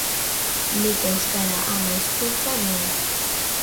Nik euskara ama hizkuntza nuen.